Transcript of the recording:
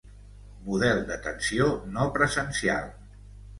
Model d'atenció no presencial.